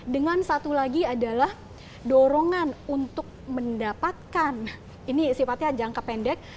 dengan satu lagi adalah dorongan untuk mendapatkan ini sifatnya jangka pendek